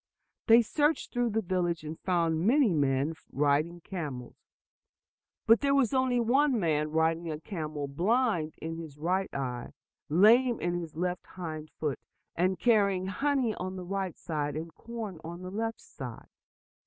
They searched through the village, and found many men riding camels. But there was only one man riding a camel blind in his right eye, lame in left hind foot, and carrying honey on the right side, and corn on the left side.